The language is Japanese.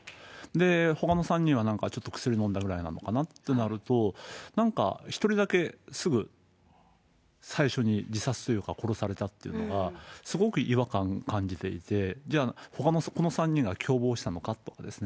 ほかの３人はちょっとなんか薬飲んだくらいなのかなというと、なんか１人だけすぐ最初に自殺というか、殺されたっていうのが、すごく違和感感じていて、じゃあ、ほかのこの３人が共謀したのかということですね。